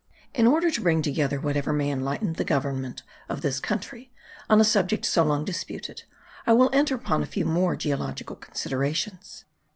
In order to bring together whatever may enlighten the government of this country on a subject so long disputed, I will enter upon a few more geological considerations.